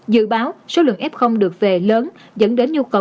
dự báo số lượng f được về lớn dẫn đến nhu cầu